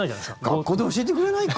学校で教えてくれないか？